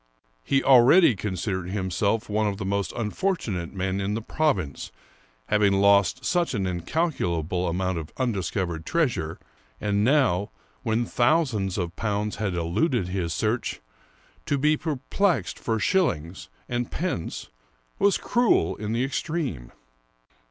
He already considered himself one of the most unfortunate men in the province, having lost such an incalculable amount of undiscovered treasure, and now, when thousands of pounds had eluded his search, to be perplexed for shillings and pence was cruel in the extreme.